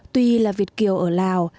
tuy là việt kiều ở lào